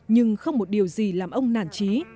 nhưng không một điều gì làm ông nản trí